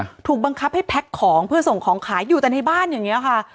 ถูกบังคับให้แพ็คของเพื่อส่งของขายอยู่แต่ในบ้านอย่างเงี้ยค่ะ